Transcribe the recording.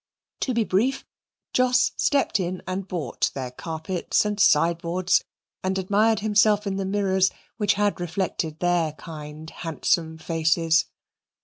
To be brief, Jos stepped in and bought their carpets and sideboards and admired himself in the mirrors which had reflected their kind handsome faces.